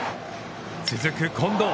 続く近藤。